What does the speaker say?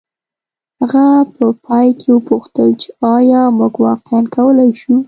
هغه په پای کې وپوښتل چې ایا موږ واقعیا کولی شو